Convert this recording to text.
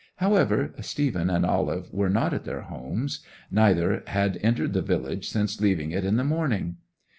'However, Stephen and Olive were not at their homes; neither had entered the village since leaving it in the morning.